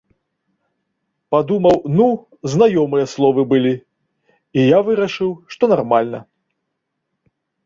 Падумаў, ну, знаёмыя словы былі, і я вырашыў, што нармальна.